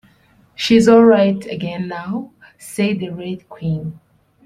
‘She’s all right again now,’ said the Red Queen.